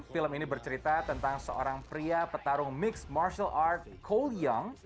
film ini bercerita tentang seorang pria petarung mixed martial arts cole young